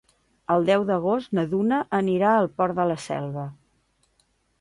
El deu d'agost na Duna anirà al Port de la Selva.